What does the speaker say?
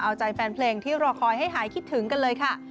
เอาใจแฟนเพลงที่รอคอยให้หายคิดถึงกันเลยค่ะ